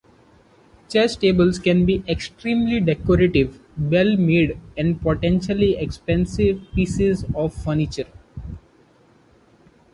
Chess tables can be extremely decorative, well made and potentially expensive pieces of furniture.